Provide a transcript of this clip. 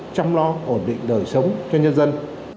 chăm lo ổn định đời sống cho nhân dân